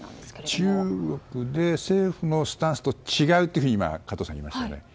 中国で政府のスタンスと違うと今、加藤さんが言いましたね。